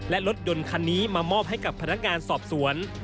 และรถยนต์คันนี้มามอบให้กับพนักงานสอบสวน